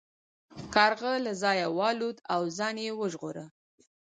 کارغه له ځایه والوت او ځان یې وژغوره.